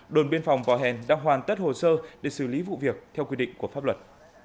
đồn biên phòng bò hèn đang hoàn tất hồ sơ để xử lý vụ việc theo quy định của pháp luật